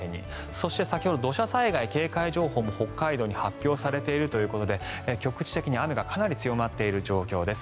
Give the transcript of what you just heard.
そして、先ほど土砂災害警戒情報も北海道に発表されているということで局地的に雨がかなり強まっている状況です。